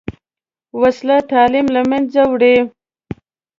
وسله تعلیم له منځه وړي